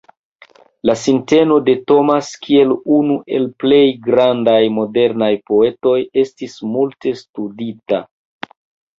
La sinteno de Thomas kiel unu el plej grandaj modernaj poetoj estis multe studita.